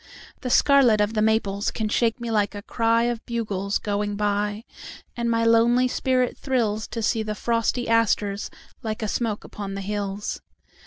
The scarlet of the maples can shake me like a cryOf bugles going by. And my lonely spirit thrillsTo see the frosty asters like a smoke upon the hills.